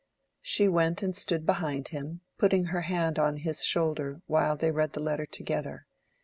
She went and stood behind him, putting her hand on his shoulder, while they read the letter together.